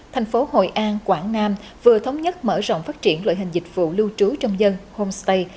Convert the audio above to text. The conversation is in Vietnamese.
thành phố hội an quảng nam vừa thống nhất mở rộng phát triển loại hình dịch vụ lưu trú trong dân homestay